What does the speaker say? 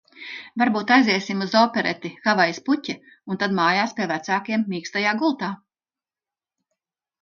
"Varbūt aiziesim uz opereti "Havajas puķe" un tad mājās pie vecākiem mīkstajā gultā."